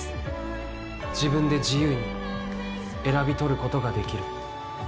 自分で自由に選び取ることができる。